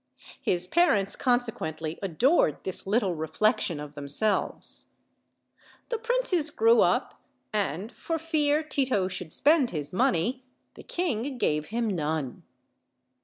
His parents consequently adored this little reflection of themselves. The princes grew up, and, for fear Tito should spend his money, the king gave him none.